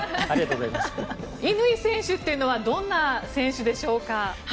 乾選手はどんな選手でしょうか。